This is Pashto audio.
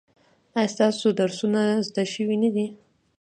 ایا ستاسو درسونه زده شوي نه دي؟